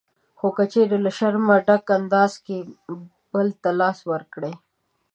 خو که چېرې له شرمه ډک انداز کې بل ته لاس ورکړئ